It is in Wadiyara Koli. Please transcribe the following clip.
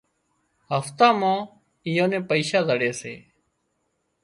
هفتا مان اييئان نين پئيشا زڙي سي